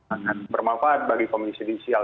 akan bermanfaat bagi komisi judisial